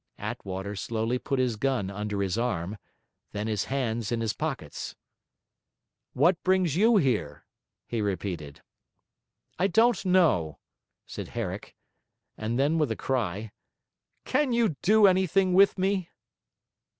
Attwater slowly put his gun under his arm, then his hands in his pockets. 'What brings you here?' he repeated. 'I don't know,' said Herrick; and then, with a cry: 'Can you do anything with me?'